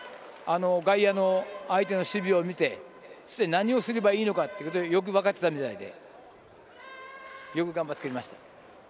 外野の相手の守備を見て何をすればいいのかよく分かっていたみたいでよく頑張ってくれました。